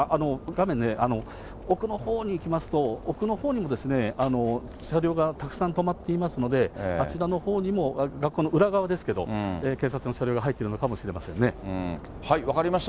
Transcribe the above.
画面ね、奥のほうに行きますと、奥のほうにも車両がたくさん止まっていますので、あちらのほうにも、学校の裏側ですけど、警察の車両が入ってるのかもしれません分かりました。